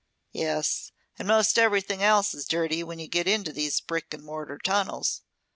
"Yes. And most everything else is dirty when you get into these brick and mortar tunnels.